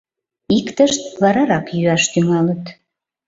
Иктышт варарак йӱаш тӱҥалыт.